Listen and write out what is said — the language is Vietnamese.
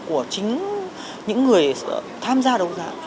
của chính những người tham gia đấu giá